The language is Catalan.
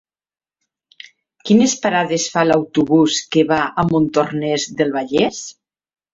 Quines parades fa l'autobús que va a Montornès del Vallès?